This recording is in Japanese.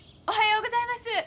おはようございます！